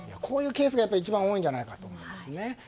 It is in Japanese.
こういうケースがやっぱり一番多いんじゃないかと思います。